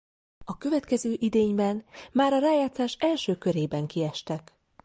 A következő idényben már a rájátszás első körében kiestek.